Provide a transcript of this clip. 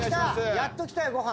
やっときたよご飯。